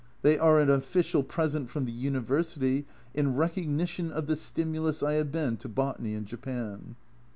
They are an official present from the University, in " recognition of the stimulus I have been to botany in Japan